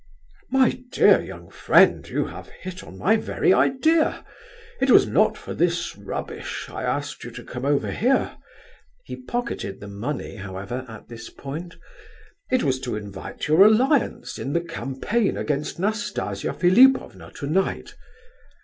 "My dear young friend, you have hit on my very idea. It was not for this rubbish I asked you to come over here" (he pocketed the money, however, at this point), "it was to invite your alliance in the campaign against Nastasia Philipovna tonight.